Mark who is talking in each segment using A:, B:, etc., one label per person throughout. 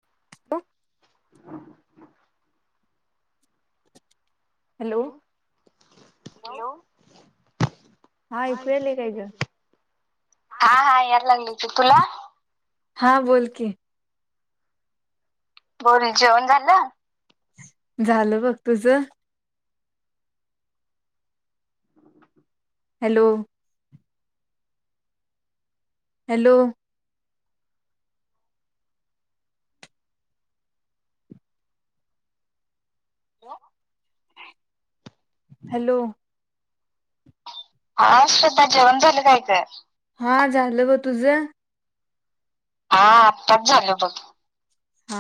A: हॅो hello hello [inaudible] हा
B: ऐकू यायलय काय ग?
A: हा हा याला लागलाय तुला
B: हा बोलकी
A: बोल जेवण झालं
B: झालं बघ तुझ हॅलो हॅलो हॅलो
A: हा श्रद्धा जेवन झाल काय
B: हा झालं बघ तुझं
A: हा आत्ताच झाल बघ
B: हा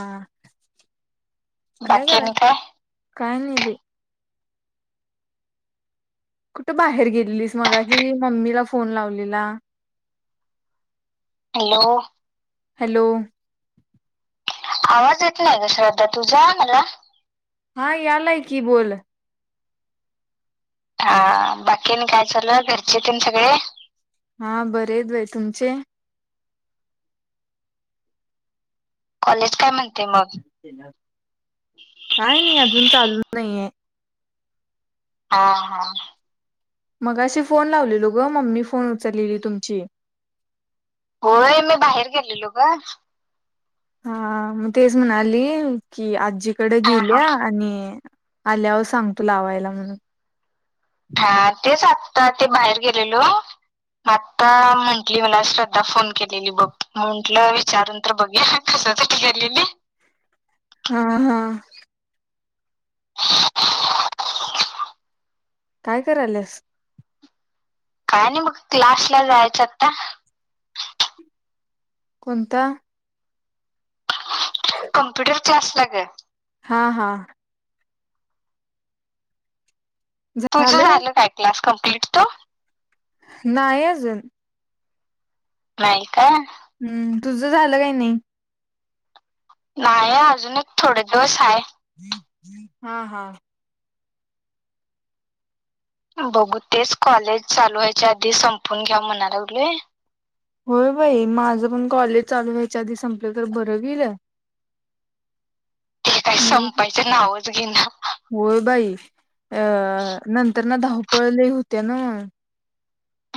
B: काय
A: बाकी आणि
B: कराल्यास
A: काय
B: काही नाहीे कुठं बाहेर गेलेलीस मगाशी मम्मीला फोन लावलेला.
A: हॅलो.
B: हॅलो.
A: आवाज येतोय ना श्रद्धा तुझा मला?
B: हा यालाय की बोल.
A: हा बाकी आणि काय चालू आहे, घरचे तेन सगळे?
B: हा बरे आहेत बाई. तुमचे?
A: कॉलेज काय म्हणते मग
B: काय नाही अजून चालू नही हाय.
A: हा हा.
B: मगाशी फोन लावलेलो ग मम्मी फोन उचललेली तुमची.
A: होय मी बाहेर गेलेलो ग.
B: हा मग तेच म्हणाली की आ जीकडे
A: हा हा
B: गेल्या आणि आल्यावर सांगतो लावायला म्हणून.
A: हा तेच आ ता ते बाहेर गेलेलो, आता म्हंटली मला श्रद्धा फोन केलेली बघ. म्हटलं विचारून तर बघूया कशासाठी केलेली?
B: हा हा.
A: [inaudible]
B: काय कराल्यास?
A: काय नाही बघ. क्लास ला जायचं आता.
B: कोणता?
A: कम्प्युटर क्लास ला ग.
B: हा हा.
A: तुझं झालं काय क्लास कम्प् भेटतो.
B: नाही अजून.
A: नाही काय?
B: हम्म तुझं झालं काय नाही?
A: नाही अजून एक थोडे दिवस आहे.
B: हा हा.
A: बघू तेच कॉलेज चालू व्हायचा आधी संपून घ्या म्हणा लागलोय.
B: होय बाई माझं पण कॉलेज चालू होयच्या आधी संपलं तर बरं होईल.
A: ते काय
B: नाही
A: संपायचं नावच घेई ना.
B: होय बाई अ नंतर न धाव पळ लई होत्या ना.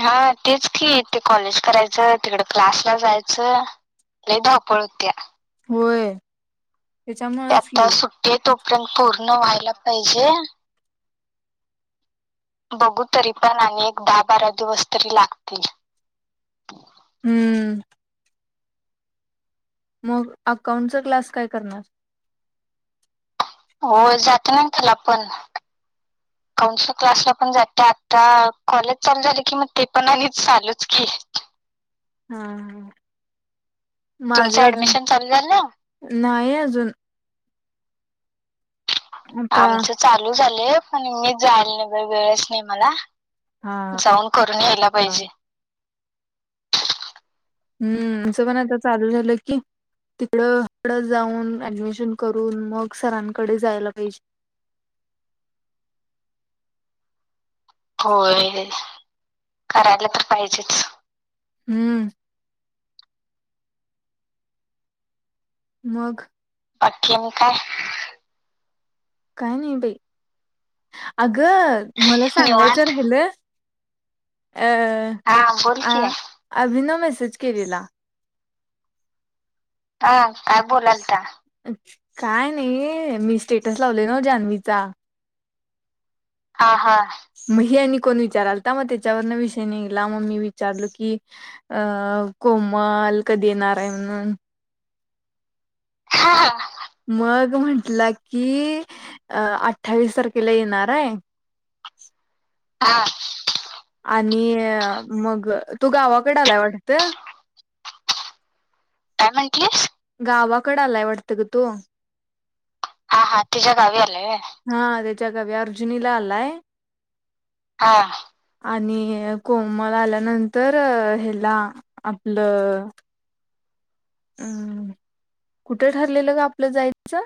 A: हा तेच की ते कॉलेज करायचं, तिकडं क्लासला जायचं लई धावपळ होत्या.
B: होय. त्याच्यामुळेच
A: त्यात
B: की
A: सुट्टी हाय तो पर्यंत पूर्ण व्हायला पाहिजे. बघू तरी पण आणि एक दहा बारा दिवस तरी लागतील.
B: हम्म. मग अकाउंटचा क्लास काय करणार?
A: होय जाते ना त्याला पण, अकाउंटच्या क्लासला पण जाते आता कॉलेज चालू झालं कि मग ते पण आणि चालूच की?
B: हा हा.
A: तुमचं
B: माझा अजून
A: ऍडमिशन चालू झालं
B: नाही अजून आता
A: आमचं चालू झालं आणि मी जायला नाही वेळच नाही मला
B: हा
A: जाऊन करून यायला
B: हा
A: पाहिजे.
B: हम्म अस पन आता चालू झालं कि तिकडं तिकडं जाऊन ऍडमिशन करून मग सरांकडे जायला पाहिजे.
A: होय करायला तर पाहिजेच.
B: हम्म. मग
A: आणखीन काय
B: काय नाही बाई अग तर मला
A: निवांत
B: सांगायचं राहिलं. अ
A: हा बोल
B: अ
A: की
B: अभिनव मेसेज कच केलेला.
A: हा. आ बोलाल का
B: काय नाही मी स्टेटस लावले ना जान्हवीचा
A: हा हा.
B: मग हे आणि कोण विचारालता तर मग त्याच्यावरण विषय निघला मग मी विचारलो की अं कोमल कधी येणार आहे म्हणून
A: हा हा.
B: मग म्हटलं की अ अठ्ठावीस तारखेला येणार आहे.
A: हा.
B: आणि मग तो गावाकडे आलाय वाटतं.
A: काय म्हंटलीस
B: गावाकडे आलाय वाटतं ग तो
A: हा हा तिच्या्या गावी आलंय.
B: त्या नव्या अर्जुनीला आलाय.
A: हा
B: आणि कोमल आल्यानंतर हेला आपलं अम् कुठे ठरलेलं. ग आपलं जायचं.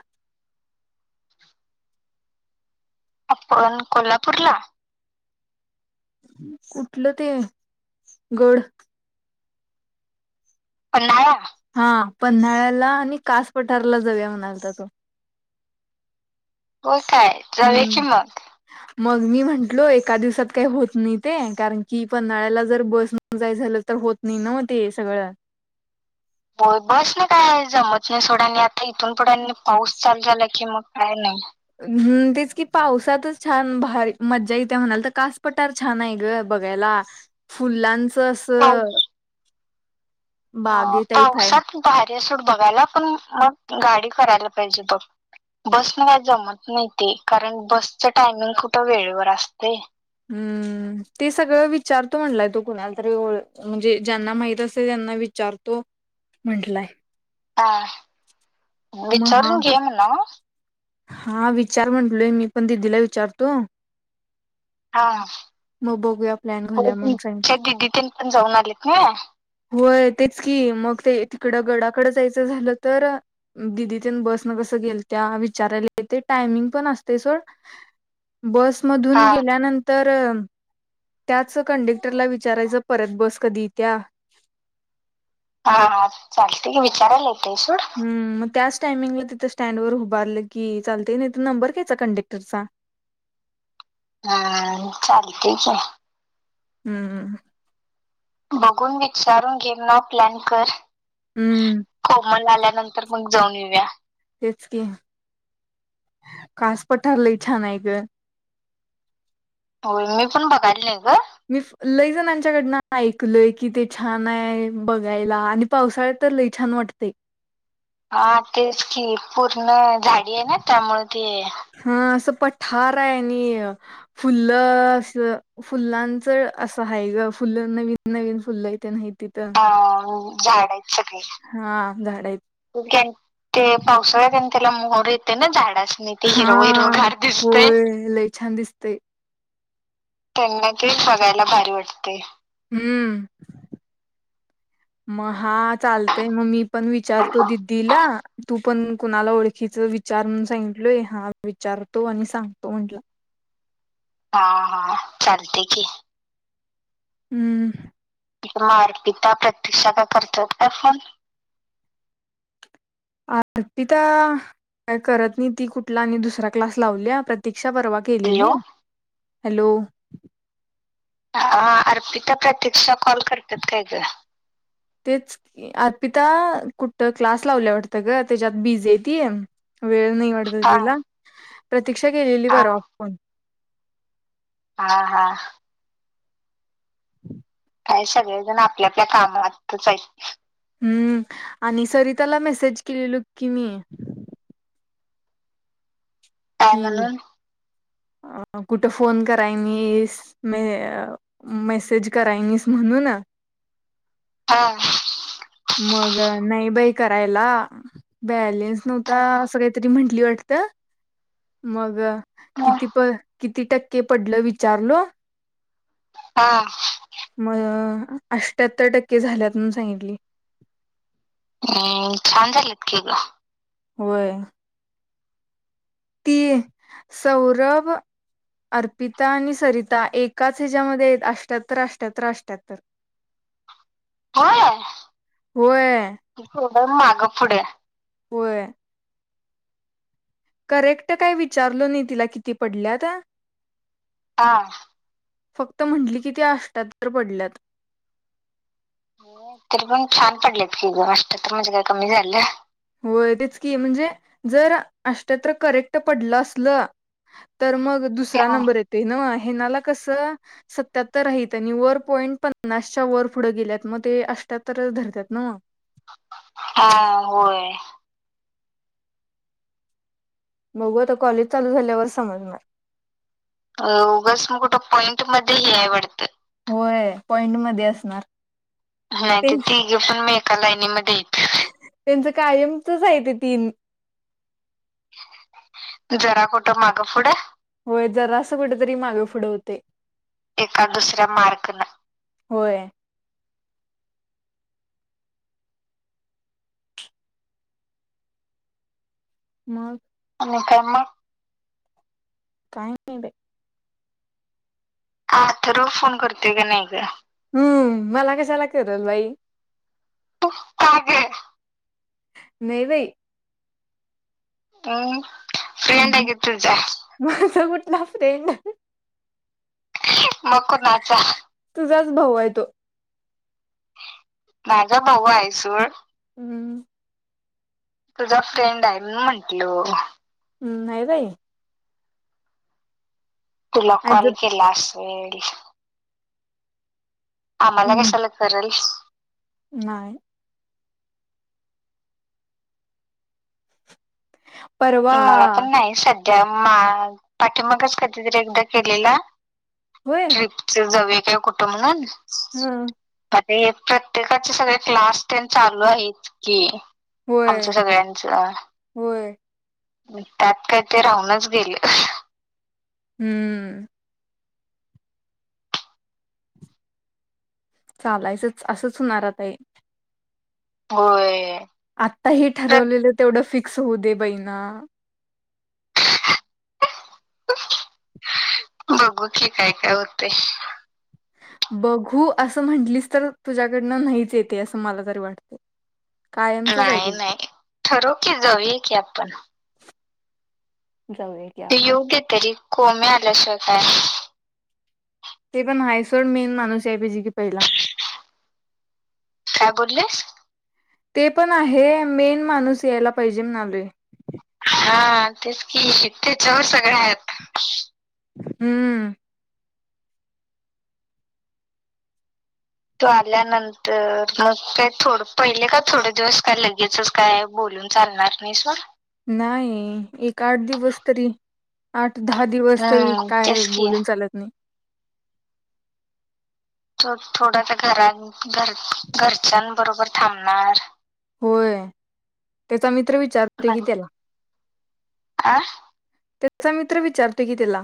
A: आपण कोल्हापूरला.
B: कुठलं ते गड
A: पन्हाळा.
B: हा पन्हाळ्याला आणि कास पठारला जाऊया म्हणालात तो.
A: हो काय रव्याची
B: हम्म
A: मग
B: मग मी म्हंटलो. एका दिवसात काही होत. नाही ते कारण की पन्हाळ्याला जर बस जाय झालं. तर होत नाही. न ते सगळं.
A: होय बस नाही काय जमत नाही. सोडा आणि आता इथून पुढं पाऊस चालू झाला. की मग काय नाही.
B: हंम तेच की पावसातच छान भारी मज्जा येते म्हणाल. तर कासपटार छान आहे. ग बघायला फुलांचा तस
A: ह पावसात उभा हाय. असंच बघायला पण मग गाडी करायला पाहिजे. बघ बस न काही जमत नाही. ते कारण बसच टायमिंग कुठं. वेळेवर असते.
B: हम्म ते सगळं विचारतो म्हटलाय. तो कुणाला तरी ओ म्हणजे ज्यांना माहित असे. त्यांना विचारतो म्हटलाय?
A: हा मग विचारून घे मला.
B: हा विचार म्हंटलोय. मी पण दिदीला विचारतो.
A: हा
B: मग बघूया प्लॅन
A: हो
B: घालूया म्हणून
A: श
B: सांगितलं
A: त [unintelligible] जाऊनलीत वाय.
B: होय तेच कि मग ते तिकडं गडाकड जायचं झालं. तर दिदी ते बस न कसं गेल. त्या विचारायला येत टायमिंग पण असतेस वय? बसमधून
A: हा
B: गेल्यानंतर. ट्रम त्याच कंडक्टरला विचारायचं परत बस कधी त्या्या.
A: हा हा चालतंय विचारायला ग.
B: [unintelligible] टामिंगला तिथ स्टँड वर उभारलं की चालते नंबर घ्यायचा कंडक्टरचा?
A: हा चाल ठीक आहे.
B: हम्मम.
A: बघून विचारून घेम न प्लॅन कर?
B: हम्म
A: कोमला आल्यात. नंतर मग जाऊन येऊया.
B: तेच की कास पठारलंय छान आहे ग.
A: हो मी पण बघायला नाही ग
B: मी लईजणांच्याकडनं ऐकलय की ते छान आहे. बघायला आणि पावसाळ्यात तर लई छान वाटते ये?
A: हा तेच की पूर्ण? झाडी आहे ना त्यामुळे ते?
B: हा असं पठार आहे. आणि फुल अस फुलांच असं आहे. ग फुल नवीन नवीन फुल्ल इथे नाहीत.
A: अ झाड आहेत सगळे
B: हा झाड आहेत
A: ते पावसाळ्या त्यां लाहर येत ना झाड
B: हा होय लय छान दिसतय.
A: त्यांना ते बघायला भारी वाटते
B: हम्म म चालतय मग मी पण विचारतो दिदीला तू पण कुणाला ओळखीच विचार सांगितलोय हा विचारतो आणि सांगतो म्हटलं.
A: हा हा चालते की
B: हम्म
A: तथ मारपिता प्रतक्षा का करत काय फोन
B: अर्पिता का करत नाही ती कुठला आणि दुसरा क्लास लावली प्रत्येक... रिक्षा परवा केलेली
A: hello
B: hello
A: Arpita Pratiksha call करतात काय तुला
B: तेच अर्पिता कुठ क्लास लावल्या वाटतं ग त्याच्यात बिझी आहे त वेळ नाही वाटत
A: हा
B: तिला प्रतीक्षा केलेली
A: हा
B: परवा फोन.
A: हा हा. काय सगळेजण आपल्या आपल्या कामातच हाईत.
B: हम्म, आणि सरिताला मेसेज केलेलो की मी.
A: काय
B: कि
A: म्हणून?
B: कुठं फोन करायनीस म मेसेज करायनीस म्हणून.
A: हा.
B: मग नाही बाई करायला, बॅलेन नव्हता असं काहीतरी म्हटली वा [unintelligible] मग.
A: हा,
B: किती प कि किती टक्के पडलं विचारलो.
A: हा.
B: म अष्टठ्याहत्तर टक्के झाल्यात म्हणून सांगितली.
A: हम् छान झालीत की ग.
B: होय. ती सौरभ, अर्पिता आणि सरिता एकाच ह्याच्यामध्ये आहेत. अष्ट्यात्तर अष्ट्यात्तर अष्ट्याहत्तर!
A: होय,
B: होय
A: तोंड माग पुड.
B: वय. करेक्ट काय विचारलो नाही तिला किती पडल्यात?
A: आ.
B: फक्त म्हटली की ती अष्टयात्तर पडल्यात.
A: तरी पण छान पडल्यातकीग अष्टयात्तर म्हणजे काय कमी झालं.
B: होय तेच की म्हणजे जर अष्टयात्तर करेक्ट पडलं असलं तर मग दुसरा
A: हं.
B: नंबर येतोय नव. हिनाला कस सत्याहत्तर आहे आणि वर पॉईंट पन्नासच्या वर पुढं गेल्यात म ते अष्ट्याहत्तर धरत्यात नव.
A: हा होय.
B: बघू आता कॉलेज चालू झाल्यावर समजणार.
A: अ उगस मग कुठं पॉईंट मध्ये हे वाढतं.
B: होय पॉइंटमध्ये असणार.
A: हा
B: ते
A: त्या तिघी पण म ए एकालाईनीमध्ये हात.
B: त्यांचं कायमचच आहे ते तीन.
A: जरा कुठं मागं पुढं.
B: होय जरासं कुट तरी मागे पुुढं होतय.
A: एका दुसऱ्या मार्कला
B: होय. मग.
A: म काय म.
B: काय नाय बई.
A: अथर्व फोन करतोय का नाही ग.
B: हम्म मला कशाला कल बाई
A: ह
B: मेवे
A: ह फ्र्री अडगत जा
B: नापरना
A: मक नाचा
B: च भाऊ आहे तो
A: माझा बाऊू आहेसू
B: हम्म
A: तुझा फ्रेंड आहे म म्हंटलो
B: हम्म नाही राय
A: तुला
B: आज
A: कॉल केला हडी ह मलागे
B: हम्म
A: सलक बरल
B: नाही परवा
A: मला पण नाही स त्या पाठी मगच कधीतरी एकदा केलेला
B: होय
A: ट्रिप जाव कुठुंग
B: हा
A: आ प्रत्येकाचे सगळे क्लास टेन चालू आहेत की
B: होय
A: आमचं सगळ्यांचं
B: होय
A: त्यात काय ते राहूनच गेले
B: हम्म चालायचंच असंच होणारा आता हे
A: होय
B: आताही
A: प्रत-
B: ठरवलेलं तेवढं फिक् स हो दे बई ना
A: बघू की काय काय होते
B: बघू असं म्हंटलीस तर तुझ्याकडनं नाहीच येते असं मला तरी वाटते कायमचच आहे
A: नाय नाय
B: तुझं
A: ठरव की जाऊया की आपण
B: जाऊया की आपण
A: कोण्या आल्याशिवाय काय
B: ते पण हायसोड मेन माणूस या पाहिजे की पहिला
A: काय बोलीस
B: ते पण आहे मेन माणूस यायला पाहिजे म्हणाले
A: हा तेच की त्याच्यावर सगळ आहेत
B: हम्म
A: तो आल्यानंतर मग का थोड पहिले का थोडे दिवस काय लगेचच काय बोलून चालणार नाहीसवर
B: नाही. एक आठ दिवस तरी, आठ दहा दिवस तरी,
A: हम्म
B: काय
A: तेच की
B: बोलून चालत नाही.
A: थोडं त्या घरात घर, घरच्याबरोबर थांबणार.
B: होय, त्याचा मित्र विचारते की त्याला
A: आह
B: त्याचा मित्र विचारतोय की त्याला